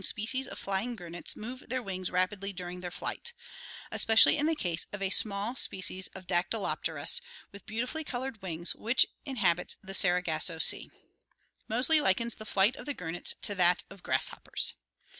species of flying gurnets move their wings rapidly during their flight ... especially in the case of a small species of Dactyloptena with beautifully colored wings, which inhabits the Sargasso Sea." Moseley likens the flight of the gurnets to that of grasshoppers.